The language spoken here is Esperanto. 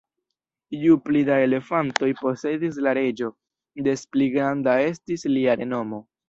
Ju pli da elefantoj posedis la reĝo, des pli granda estis lia renomo.